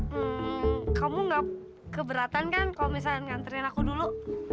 hmm kamu gak keberatan kan kalau misalnya nganterin aku dulu